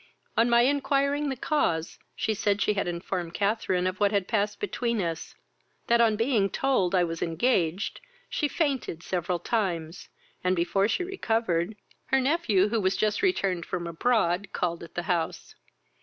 On my inquiring the cause, she said she had informed Catharine of what had passed between us; that, on being told I was engaged, she fainted several times, and, before she recovered, her nephew, who was just returned from abroad, called at the house.